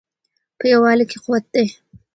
په یووالي کې قوت دی.